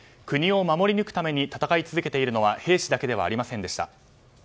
国を守り抜くために戦い続けているのは兵士だけではありませんでした。